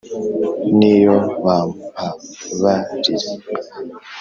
N'iyo bampabarira